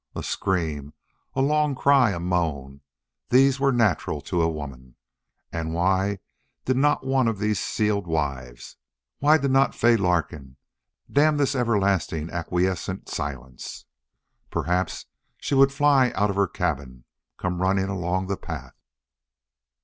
A scream, a long cry, a moan these were natural to a woman, and why did not one of these sealed wives, why did not Fay Larkin, damn this everlasting acquiescent silence? Perhaps she would fly out of her cabin, come running along the path.